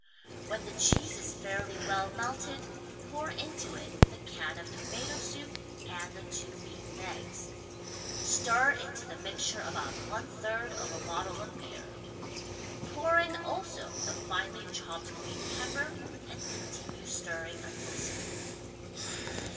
When the cheese is fairly well melted, pour into it the can of tomato soup and the two beaten eggs. Stir into the mixture about one third of a bottle of beer. Pour in also the finely chopped green pepper and continue stirring until smooth.